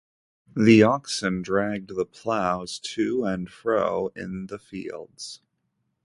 The oxen dragged the ploughs to and fro in the fields.